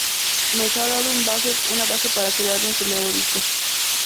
Nos ha dado una base para crear nuestro nuevo disco.